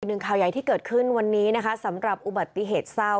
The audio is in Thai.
หนึ่งข่าวใหญ่ที่เกิดขึ้นวันนี้นะคะสำหรับอุบัติเหตุเศร้า